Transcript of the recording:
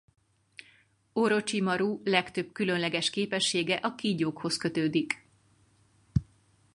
Orocsimaru legtöbb különleges képessége a kígyókhoz kötődik.